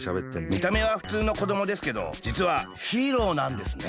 みためはふつうのこどもですけどじつはヒーローなんですね？